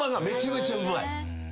めちゃめちゃうまい。